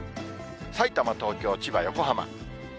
さいたま、東京、千葉、横浜。